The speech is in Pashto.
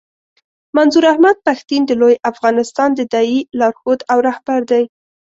منظور احمد پښتين د لوی افغانستان د داعیې لارښود او رهبر دی.